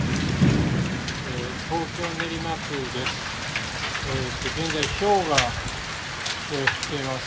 東京・練馬区です。